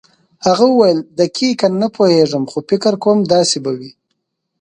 هغه وویل دقیقاً نه پوهېږم خو فکر کوم داسې به وي.